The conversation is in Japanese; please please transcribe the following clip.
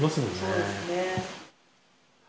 そうですね。